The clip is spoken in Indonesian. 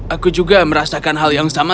aku juga merasakan hal yang sama